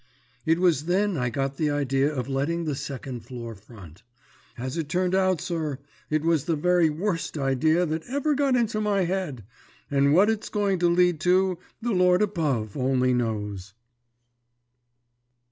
"It was then I got the idea of letting the second floor front. As it's turned out, sir, it was the very worst idea that ever got into my head, and what it's going to lead to the Lord above only knows."